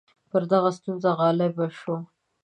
پر دغه ستونزه غالب شو.